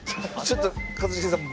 ちょっと一茂さん